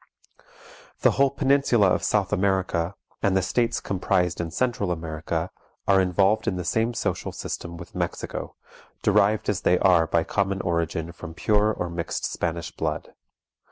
The whole peninsula of South America, and the states comprised in Central America, are involved in the same social system with Mexico, derived as they are by common origin from pure or mixed Spanish blood.